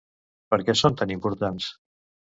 Per què són tan importants?